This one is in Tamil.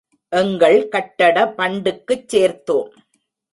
எங்கள் கட்டட பண்டுக்குச் சேர்த்தோம்.